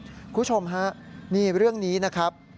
คุณผู้ชมฮะนี่เรื่องนี้นะครับ